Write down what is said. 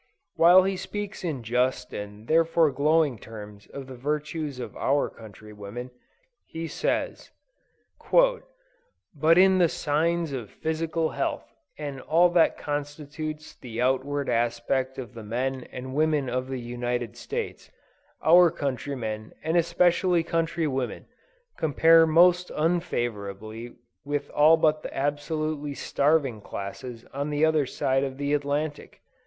While he speaks in just and therefore glowing terms of the virtues of our countrywomen, he says: "But in the signs of physical health and all that constitutes the outward aspect of the men and women of the United States, our countrymen and especially countrywomen, compare most unfavorably with all but the absolutely starving classes on the other side of the Atlantic."